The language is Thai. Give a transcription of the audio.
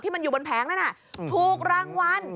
มันอยู่บนแผงนั้นถูกรางวัล